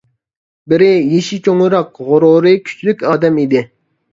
بىرى يېشى چوڭراق، غۇرۇرى كۈچلۈك ئادەم ئىدى.